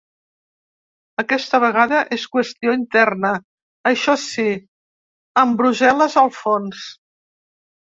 Aquesta vegada és qüestió interna, això sí, amb Brussel·les al fons.